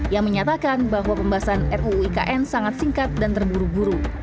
yang menyatakan bahwa pembahasan ruu ikn sangat singkat dan terburu buru